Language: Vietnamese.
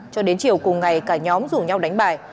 cho đến chiều cùng ngày cả nhóm rủ nhau đánh bài